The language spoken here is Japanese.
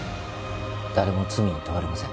誰も罪には問われません。